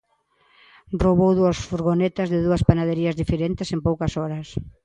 Roubou dúas furgonetas de dúas panaderías diferentes en poucas horas.